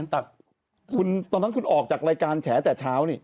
แต่ตอนนั้นคุณออกจากรายการแฉแต่เช้านี่